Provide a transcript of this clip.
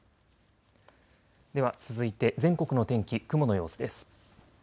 では続いて全国の天気、雲の様子です。